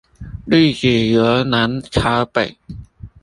粒子由南朝北